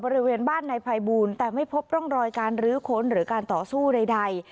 บริเวณบ้านนายภัยบูลแต่ไม่พบร่องรอยการรื้อค้นหรือการต่อสู้ใด